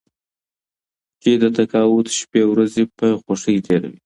چې د تقاعد شپې ورځې په خوښۍ تېروي.